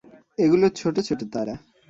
এগুলো ছোট ছোট তারা।